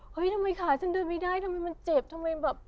เฮ้ยทำไมขาฉันเดินไม่ได้ทำไมมันเจ็บ